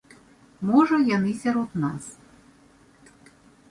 Можа, яны сярод нас.